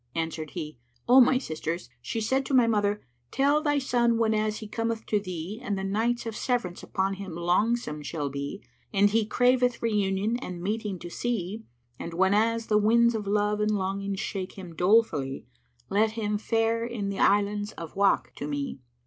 Answered he, "O my sisters, she said to my mother, 'Tell thy son, whenas he cometh to thee and the nights of severance upon him longsome shall be and he craveth reunion and meeting to see, and whenas the winds of love and longing shake him dolefully, let him fare in the Islands of Wak to me."